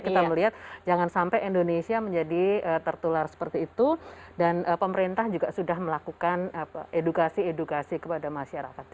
kita melihat jangan sampai indonesia menjadi tertular seperti itu dan pemerintah juga sudah melakukan edukasi edukasi kepada masyarakat